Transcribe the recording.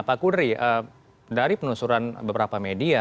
pak kudri dari penelusuran beberapa media